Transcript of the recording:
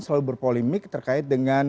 selalu berpolemik terkait dengan